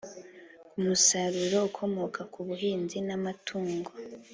ku musaruro ukomoka ku buhinzi n'amatungo.